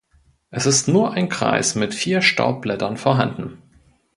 Es ist nur ein Kreis mit vier Staubblättern vorhanden.